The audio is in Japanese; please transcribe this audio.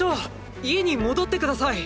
家に戻って下さい。